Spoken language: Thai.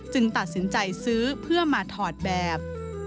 ตัดสินใจซื้อเพื่อมาถอดแบบ